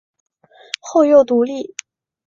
后又独立。